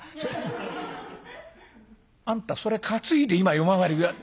「あんたそれ担いで今夜回り。